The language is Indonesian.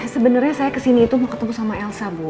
sebenarnya saya kesini itu mau ketemu sama elsa bu